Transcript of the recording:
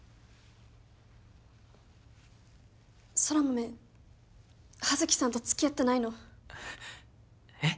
空豆葉月さんとつきあってないのえっ！？